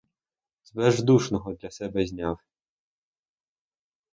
З бездушного для себе зняв;